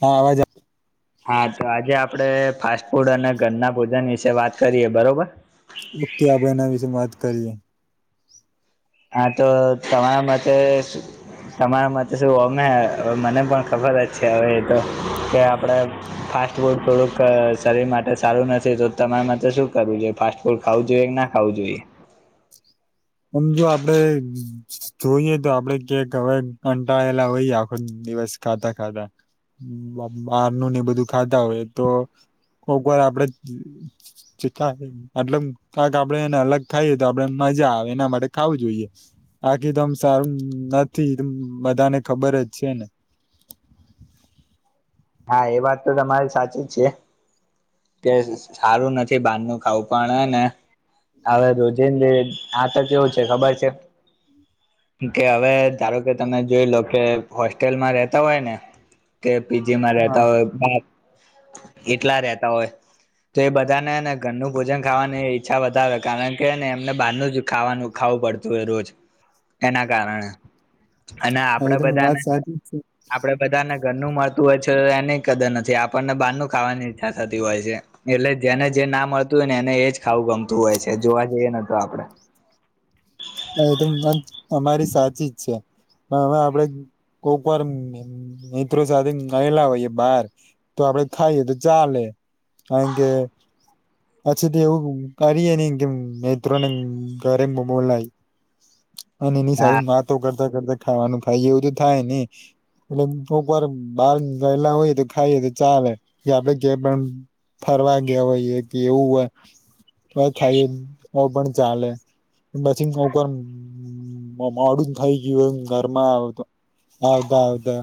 હા આવાજ. હા તો આજે આપડે ફાસ્ટ ફૂડ અને ઘરના ભોજન વિશે વાત કરીએ બરોબર. ક્યા બના વિશે વાત કરીએ. હા તો ત માટેતે તમારા માટે શું ગમેવે મને પણ ખબર જ છે હવે તો કે આપડે ફ્ટ ફાસ્ટ ફૂડ થોડુંક શરીર માટે સારું નથી તો તમારે માટે શું કરવું જોઈએ ફાસ્ટ ફૂડ ખાવું જોઈએ કે ના ખાવું જોઈએ સમજ આપડે જોઈએ તો આપડે ક્યાક હવે કંટળેલા હોય આખો દિવસ ખાતા ખાતા બારનું ને એ બધું ખાતા હોય તો કોક વાર આપડે ચી એટલ કક આપડે એને અલગ થાય તો આપડે મજા આવે. એના માટે ખાવું જોઈએ આકી તમ સારું નથી બધાને ખબર જ છે ને હા એ વાત તો તમારી સાચી જ છે. કે સારું નથી બાર નનું ખાવું પણ ને આવે તોું જે આ તો કેવું છે ખબર છે. કે હવે ધારો કે તમે જોઈ લો કે હોસ્ટેલમાં રેતા હોય ને કે પીજીમાં હા રતા હોય એટલા રેતા હોય. તો એ બધા ને ને ઘરનું ભોજન ખાવાની ઈચ્છા વધારે કારણ કેને એમને બહારનું જ ખાવાનું ખાવું પડતું હો એ રોજ હ એના કારણે અને એ આપડે તો વાત બધાને સાચી જ છે આપડે બધાને ઘરનું મત હોય છે એની કદર નથી આપણને બહારનું ખાવાની ઈચ્છા થતી હોય છે. એટલે જેને જે ના મળતું હોય ને એને એજ ખાવું ગમતું હોય છે જોવા જઈએ નતું આપડે હા એ તો મ અમારી સાચી જ છે પણ હવે આપડે કોકવાર મિત્રો સાથે ગયલા હોય બહાર તો આપડે ખાઈએ તો ચાલે હે અચ્છી તે એવું કરીએ ન કેમ નેૈત્રો ને ઘરે બય અને એની હા સારીું માતો કરતા કરતા ખાવાનું ખાય એવું તો થાય ને એટલે કોક વાર બહાર રહેલા હોઈએ તો ખાઈએ તો ચાલે કે આપડે કે પણ ફરવા ગયા હોય એ કે એવું થાય. ઓ પણ ચાલે પછી કોર મોડું થઇ ગયું એમ ઘરમાં આવતો આવતા આવતા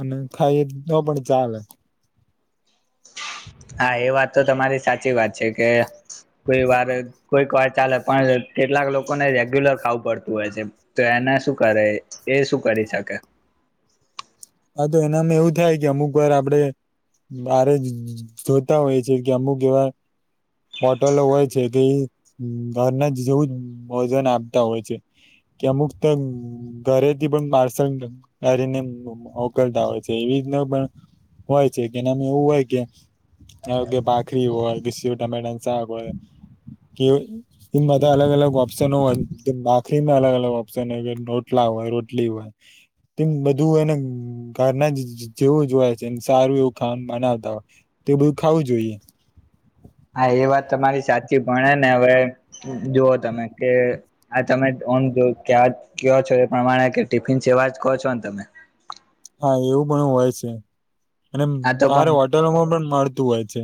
અને થાય એ ન પણ ચાલે હા એ વાત તો તમારી સાચી વાત છે કે કોઈ વાર કોઈક વાર ચાલે પણ કેટલાક લોકોને રેગ્યુલર ખાવું પડતું હોય છે. તો એના શું કરે એ શું કરી શકે હા તો એનામાં એવું થાય કે અમુક વાર આપડે મારે જોતા હોય છે કે અમુક એવા હોટલો હોય છે કે ઘરના જ જેવું જ ભજન આપતા હોય છે. કે અમુક તો. ઘરેથી પણ પાર્સલ કરીને મોકલતા હોય છે એવી રીતના પણ હોય છે કેનામે એવું હોય કે આ કે ભખરી હોય. મેડ આગ કે એમ બધા અલગ અલગ ઓપ્શનો હોય બાખરીમાં અલગ અલગ ઓપ્શન હોય કે રોટલા હોય રોટલી હોય. તેમ બધું એને ઘના જ જેવું જોય છેને સારું એવું ખામ બનાવતા હોય તો એ બધું ખાવું જોઈએ હા એ વાત તમારી સાચી ભણે ને હવે જોુવ તમે કે આ તમે ઓમ જો કવા કો છો એ પ્રમાણે કે ટિફિન સેવા જ કહો છો ને તમે હા એવું પણ હોય છે અને આ તો મારે પણ હોટેલોમાં પણ મળતું હોય છે.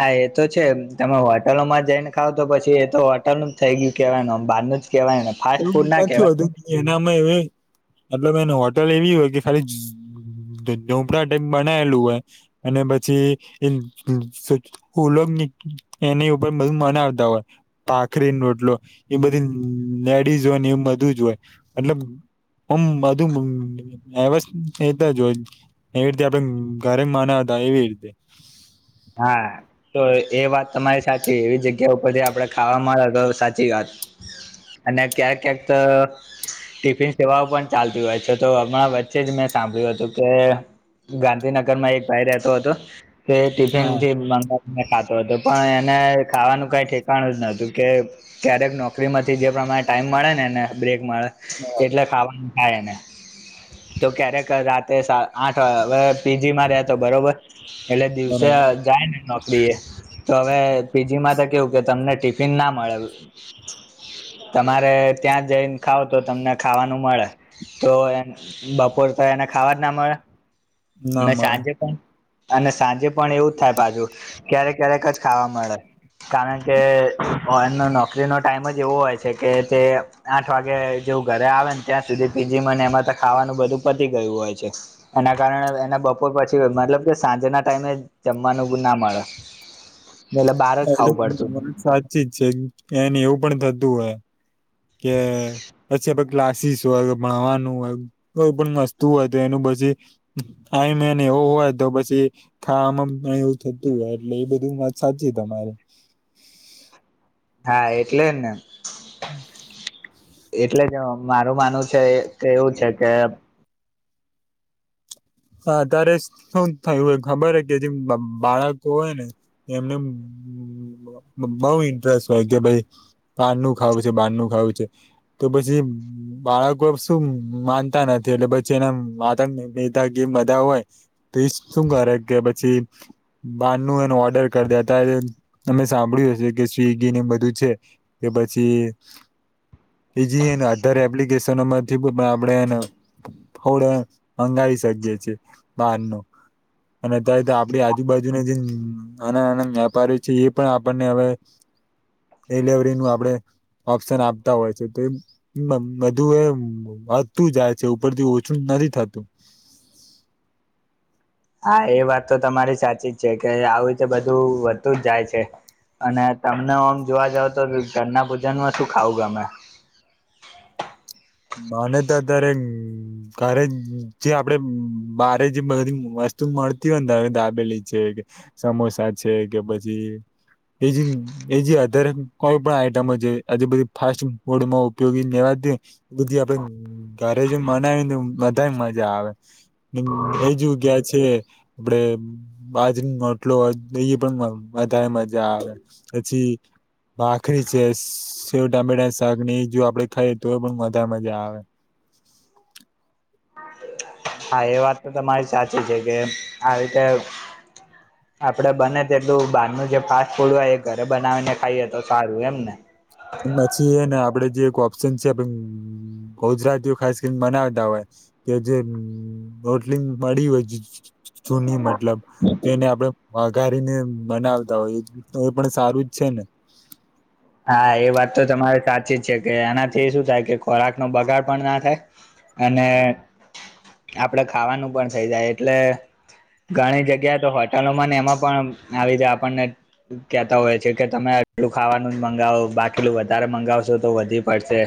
હા એ તો છે તમે હોટલોમાં જઈને ખાવ તો પછી એ તો હોટલ નું જ થઈ ગયું કેવાય ન આમ બહાર ન જ કેહેવાય ને ફાસ્ટ એવું ફૂડ ના કેવાય નથી હોતું કે એનામાં એ મતલબ એને હોટલ એવી હોય કે ખાલી. પડામ બનાયેલું હોય અને પછી એ. ઉલોક એની ઉપર બધુ મન આવતા હોય. પાખરી નોટલો એ બધી ડીઝ હોય ને એ બધું જ હોય મતલબ. હમ બધું એવતા જોય. એવી રીતે આપડે ઘરે માનાતા એવી રીતે. હા. તો એ વાત તમારી સાચી એવી જગ્યા ઉપરથી આપડે ખાવાવામાંે તો સાચી વાત. અને ક્યાંક ક્યાંક. ટિફિન સેવાઓ પણ ચાલતી હોય છે તો હમણાં વચ્ચે જ મેં સાંભળ્યું હતું કે ગાંધીનગર માં એક ભાઈ રહેતો હતો તે હા ટિફિનથી મ. ખાતો હતો પણ એને ખાવાનું કઈ ઠેકાણ જ નતું કે. ક્યારેક નોકરીમાંથી જે પ્રમાણે ટાઈમ મળે ને ને બ્રેક મળે બરાબર એટલે ખાવાનું. થાયને. તો ક્યારેક રાતે આઠ વા પીજી મા ર્યા તો બરોબર એટલે. તે બરાબર જાયને. તો હવે પીજીમાં તો કેવું કે તમને ટિફિન ના મળે. તમારે ત્યાં જઈને ખાાવ તો તમને ખાવાનું મળે. તો એ બપોર તો એને ખાવા જ ના મળે. ના અને મળે સાંજે પણ અને સાંજે. પણ એવું જ થાય પાછુ ક્યારેક ક્યારેક જ ખાવા મળે. કારણ કે એમનો નોકરીનો ટાઈમ જ એવો હોય છે કે તે. આઠ વાગે જેવું ઘરે આવે ને ત્યાં સુધી પીજી મને એમાં તો ખાવાનું બધું પતી ગયું હોય છે. એના કારણે એના બપોર પછી મતલબ કે સાંજેના ટાઈમે. જમવાનું ગુ ના મળે. એટલે બહાર જ એ ખાવું પડતું મ સાચી જ છે એને એવું પણ થતું હોય કે. પછી આપ ક્લાસીસ હોય ભણવાનું હોય કોઈ પણ વસ્તુ હોય તો એનું પછી. હ મેને એવું હોય તો પછી. ખા આમાં પણ એવું થતું હોય એટલે એ બધું વાત સાચી તમારે. હા એટલે ને. હમ્. એટલે જ મારું માનવું છે કે એવું છે કે. હા ત્યારે શું થયું હો ખબર હ કે જે બાળકો હોય ને. એમને બઉ ઇન્ટરેસ્ટ હોય કે ભાઈ. પા નનું ખાવું છે બન નનું ખાવું છે. તો પછી બાળકો શું માનતા નથી એટલે પછી એના માતા. બ ગમ બધા હોય તો શું કરે કે પછી. બાર નનું એને ઓર્ડર કર દ ત અમે સાંભળ્યું હશે કે સ્વિગી ને બધું છે. કે પછી. એજી એને આધાર એપ્લિકેશનમાંથી આપણેે એને ફડ મંગી. જગ્યા છે બહાર ન અને અત્યારે તો આપડી આજુબાજુને જે. નાના નાના વ્યાપારી છે એ પણ આપણને હવે ડિલવરી ન આપણેે. ઓપ્શન આપતા હોય છે તો એ. બધું એતું જાય છે ઉપરથી ઓછું નથી થતું. હા એ વાત તો તમારી સાચી જ છે કે આવીુંતે બધું વધતું જ જાય છે. અને તમને આમ જોવા જાવ તો ઘરના ભૂજન માં શું ખાવ ગમે. નાને તો અ ત્યારે. ઘરે જે આપડે બારે જે બધી વસ્તુ મળતી હોય ને તરે દાબેલી છે કે. સમોસા છે કે પછી એજી. એજી આધારે કોઈ પણ આઈટમ જ આજ બધી ફાસ્ટ ફૂડમાં ઉપયોગી લેવા દ બધી આપડે ઘરે જો મનાવી ને બધા મજા આવે. હ એ જોગયા છે આપડે બાજટલો એ પણ વધારે મજા આવે પછી ભાખરી છે સેવ ટામેટા શાક એ જો આપડે ખાઈએ તો એ પણ વધારે મજા આવે. [inaudible] હા એ વાત તો તમારી સાચી છે કે આવી રીતે [inaudible] આપડે બને તેટલું બહારનું જે ફાસ્ટ ફૂડ હોય એ ઘરે બનાવીને ખાઈએ તો સારું એમ ને પછી એ ને આપડે જે એક ઓપ્શન છે. ગુજરાતીઓ ખાસ કરીને બનાવતા હોય. કે જે બટલી મળી હોય જૂની મતલબ તેને આપડણે વઘારીને બનાવતા હોય એ એ પણ સારું જ છે ને હા એ વાત તો તમારે સાચી જ છે કે એનાથી શું થાય કે ખોરાક નો બગાડ પણ ના થાય. અને આપડે ખાવાનું પણ થઈ જાય એટલે ઘણી જગ્યા તો હોટલોમાં ને એમાં પણ આવી જાય આપણને કેતા હોય છે કે તમે આટલું ખાવાનું મંગાવો બાકીલું વધારે મંગાવશો તો વધી પડશે.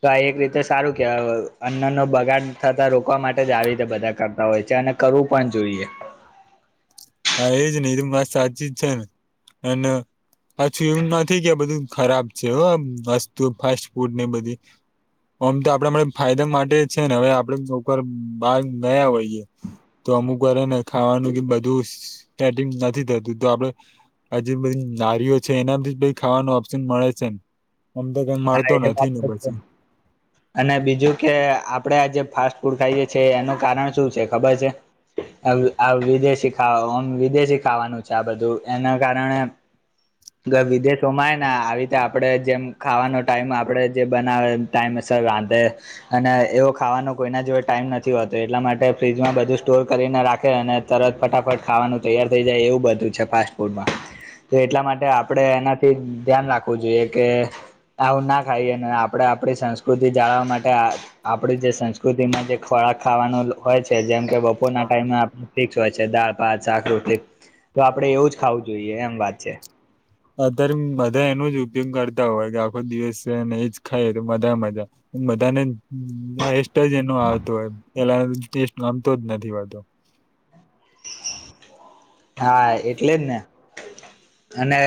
તો આ એક રીતે સારું કેવા અન્નનો બગાડ થતા રોકવા માટે જ આવી રીતે બધા કરતા હોય છે અને કરવું પણ જોઈએ. હા એજ નઈ એ તો વાત સાચી જ છે ને અને પાછું એવું નથી કે આ બધું ખરાબ છે આ વસ્તુ ફાસ્ટ ફૂડ ને બધી ઓમ તો આપડે ફાયદા માટે છે ને હવે આપણે ઉપર બાર ગયા હોઈએ. તો અમુક કરે ને ખાવાનું બધું સટિંગ નથી થતું તો આપડણે આજ બધી નારીઓ છે એનાથી ખાવાનું ઓપ્શન મળે છે ને. આમ તો કઈ હા મળતો એ વાત નથી ને છે પછી. અને બીજું કે આપડે આજ ફાસ્ટ ફૂડ ખાઈએ છી એનું કારણ શું છે ખબર છે. વિદેશી ખાવામ વિદેશી ખાવાનું છે આ બધું એના કારણે વિદેશોમાં ને આવી રીતે આપડે જેમ ખાવાનો ટાઈમ આપણે જે બનાવે એ ટાઈમે સર રાધે અને એવો ખાવાનો કોઈના જોડે ટાઈમ નથી હોતો એટલા માટે ફ્રીજમાં બધું સ્ટોર કરીને રાખે અને તરત ફટાફટ ખાવાનું તૈયાર થઈ જાય એવું બધું છે ફાસ્ટ ફૂડમાં. તો એટલા માટે આપણેે એનાથી ધ્યાન રાખવું જોઈએ કે આવું ના ખાઈએ ને આપણે આપણી સંસ્કૃતિ જાળવવા માટે આપડી જે સંસ્કૃતિમાં જે ખોરાક ખાવાનું હોય છે જેમ કે બપોરના ટાઈમમાં ફીક્સ હોય છે દાળ ભાત શાક રોટલી તો આપડે એવું જ ખાવું જોઈએ એમ વાત છે. અત્યારે બધા એનો જ ઉપયોગ કરતા હોય કે આખો દિવસને એજ ખાય તો બધા મજા બધાને આ એસ્ટ જ એનો આવતો હો પેલા ટેસ્ટ ગમતો જ નથી હોતો. હા એટલે ને અને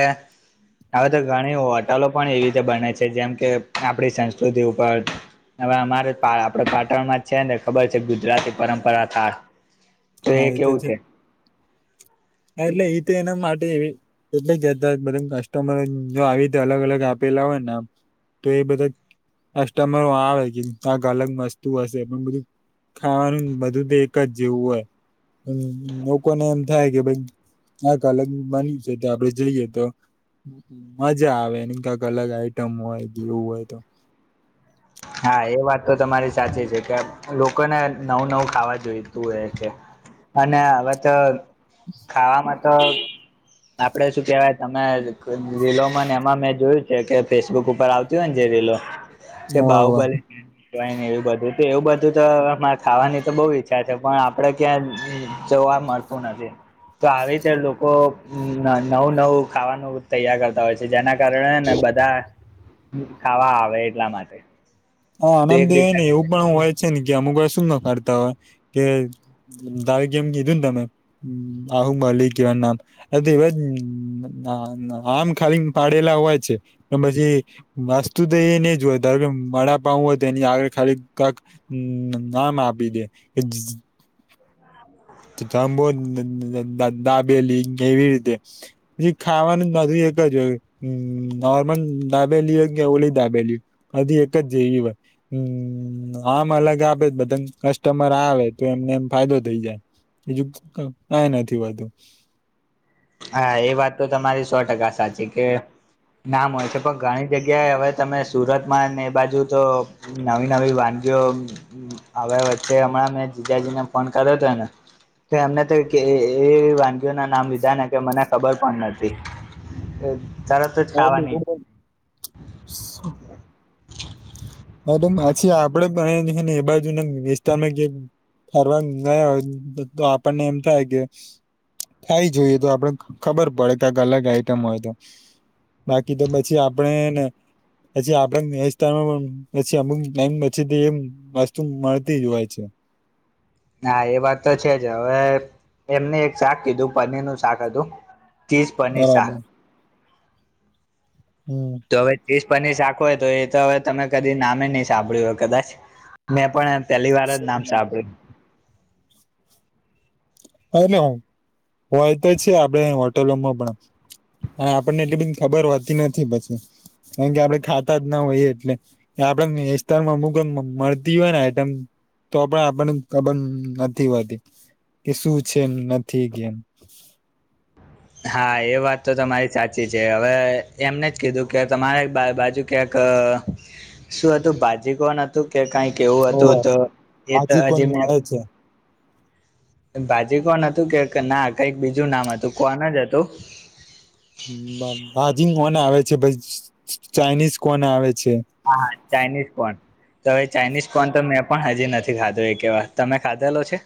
હવે તો ઘણી હોટલો પણ એવી રીતે બને છે જેમ કે આપણી સંસ્કૃતિ ઉપર હવે અમારે આપડે પાટણમાં જ છે ને ખબર છે ગુજરાતી પરંપરા થ હા એ તો છે. હા એટલે એ તો એના માટે એટલે જતા બધા કસ્ટમર જો આવી તો અલગ અલગ આપેલા હોયને આમ તો એ બધા કસ્ટમરો આવે કે કાક અલગ મસ્તુ હશે પણ બધું ખાવાનું બધું તો એક જ જેવું હોય લોકોને એમ થાય કે ભાઈ આ અલગ બન્યું છે તો આપડે જઈએ તો મજા આવે એને કઈક અલગ આઈટમ હોય એવું હોય તો. હા એ વાત તો તમારી સાચી છે કે લોકોને નવું નવું ખાવા જોઈતું હોય કે. અને હવે તો ખાવામાં તો આપડે શું કેવાય તમે રીલોમાં ને એમાં મેં જોયું છે. કે ફેસબુક ઉપર આવ [unintelligible] કે હોવે હોવે બાહુબલી એવું બધું એવું બધું ખાવાની તો બહુ ઈચ્છા છે. પણ આપડે ક્યાં જોવા મળતું નથી. તો આવી રીતે લોકો નવું નવું ખાવાનું તૈયાર કરતા હોય છે. જેના કરણે ને બધા ખાવા આવે એટલા માટે. હ તો આનંદ એક દેવ રીતે ને એવું પણ હોય છે. ને કે અમુક ભાઈ શું ના [unintelligible] હોય કે દાવ કેમ કીધું ને તમે આહુ મલી ગયું. એવા જ આમ ખાલી પાડેલા હોય છે. પછી માસ્તુ તો એ નહી જોય ધારો કે મા હોય તે એની આગળ ખાલી કક નામ આપી દે [unintelligible] જંબો દા દાબેલી એવી રીતે પછી ખાવાનું બધું એક જ હોય હમ્મ નોર્મલ દાબેલી હોય કે ઓલી દાબેલી હો બધી એક જ જેવી હોય હમ્મ આમ અલગ આપે બધા કસ્ટમર આવે તો એમને એમ ફાયદો થઇ જાય બીજું કઈ નથી વધૂ હા એ વાત તો તમારી સો ટકા સાચી કે નામ હોય છે. પણ ઘણી જગ્યાએ હવે તમે સુરતમાં ને એ બાજુ તો નવી નવી વાનગીઓ આવ્યા વચ્ચે હમણાં મેં જીજાજીને ફોન કર્યો હતોને કે અમને તો એ વાનગીઓ ના નામ લીધા ના કે મને ખબર પણ નથી તરત જ ખાવાની [inaudible] હ પછી આપડે પણ ને એ બાજુ ને વિસ્તાાર કે ફરવા નઈ હોય તો આપણને એમ થાય કે થાય જોઈએ તો આપડે ખબર પડે કક અલગ આઈટમ હોય તો બાકી તો પછી આપડે ને પછી આપડે [unintelligible] પછી અમુક ટાઈમ પછી એમ વસ્તુ મળતી જ હોય છે. હા એ વાત તો છે. જ હવે એમને એક શાક કીધું પનીર નું શાક હતું ચીઝ પનીર બરાબર શાક હમ્મ તો હવે ચીસ પનીર શાક આખું હોય તો એ તો હવે તમે કદી નામે નહીં સાંભળ્યું હોય કદાચ મેં પણ, પહેલી વાર જ નામ એટલે સાંભળ્યુ હને હું હોય તો છે. આપડે હોટલોમાં પણ હા આપણને એટલી બી ખબર હોતી નથી પછી કારણ કે આપડે ખાતા જ ના હોઈ એટલે આપડે વિસ્તારમાં અમુકમ મળતી હોય ને આયટમ તો પણ આપણને ખબર નથી હોતી કે શું છે. નથી કેમ હા એ વાત તો તમારી સાચી છે. હવે એમને જ કીધું કે તમારે બાજુ ક્યાંક શું હતું બાજી કોન હતું કે કઈ કેવું હતું તો એ તો ભાજી કોણ હજી મે મળે છે બાજી કોન હતું કે ના કઈક બીજું નામ હતું કોન જ હતું ભાજી કોને આવે છે ભાઈ ચાઇનીઝ કોન આવે છે હા હા ચાઇનીઝ કોન તો હવે ચાાઈનીઝ કોન તો મેં પણ હજી નથી ખાધો એ કેવા તમે ખાધેલો છે.